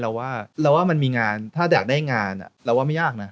เราว่าเราว่ามันมีงานถ้าอยากได้งานเราว่าไม่ยากนะ